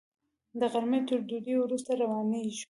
د غرمې تر ډوډۍ وروسته روانېږو.